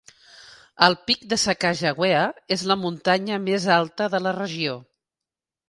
El pic de Sacajawea és la muntanya més alta de la regió.